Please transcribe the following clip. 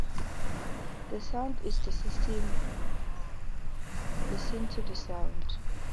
The sound is the system, listen to the sound!